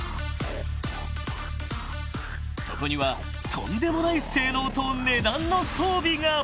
［そこにはとんでもない性能と値段の装備が］